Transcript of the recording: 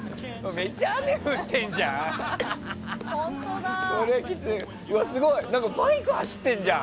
めっちゃ雨降ってんじゃん。